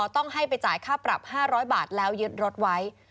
ต้องให้ไปจ่ายค่าปรับ๕๐๐บาทแล้วยึดรถไว้